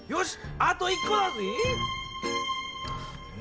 あと１こだぜぇ！